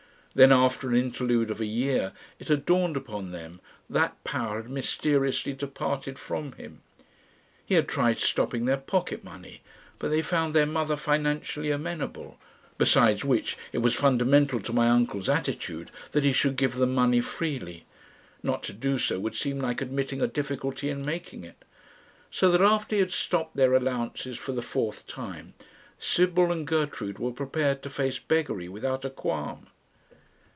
Then after an interlude of a year it had dawned upon them that power had mysteriously departed from him. He had tried stopping their pocket money, but they found their mother financially amenable; besides which it was fundamental to my uncle's attitude that he should give them money freely. Not to do so would seem like admitting a difficulty in making it. So that after he had stopped their allowances for the fourth time Sybil and Gertrude were prepared to face beggary without a qualm.